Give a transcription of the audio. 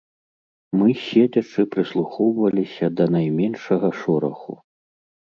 Мы седзячы прыслухоўваліся да найменшага шораху.